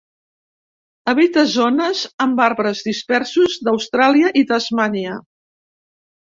Habita zones amb arbres dispersos d'Austràlia i Tasmània.